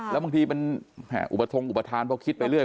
แล้วบางทีอุปธรรมอุปธรรมเขาคิดไปเรื่อย